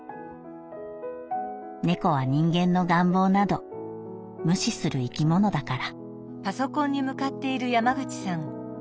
猫は人間の願望など無視する生き物だから」。